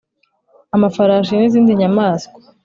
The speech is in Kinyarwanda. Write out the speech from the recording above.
Amafarashi n izindi nyamaswa